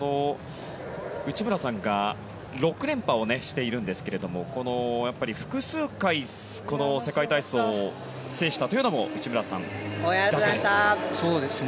内村さんが６連覇をしているんですが複数回、世界体操を制したというのも内村さんだけです。